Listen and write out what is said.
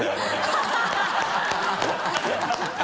ハハハ